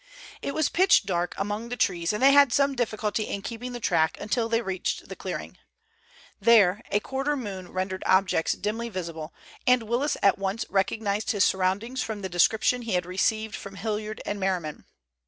It was pitch dark among the trees, and they had some difficulty in keeping the track until they reached the clearing. There a quarter moon rendered objects dimly visible, and Willis at once recognized his surroundings from the description he had received from Hilliard and Merriman.